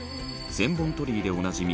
千本鳥居でおなじみ